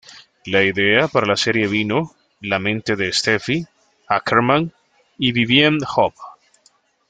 La idea para la serie vino la mente la Steffi Ackermann y Vivien Hoppe.